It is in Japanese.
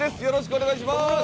よろしくお願いします。